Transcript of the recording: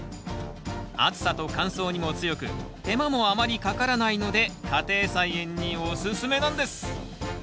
暑さと乾燥にも強く手間もあまりかからないので家庭菜園におすすめなんです。